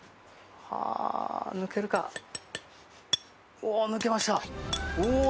うわ、抜けました！